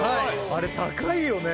あれ高いよね？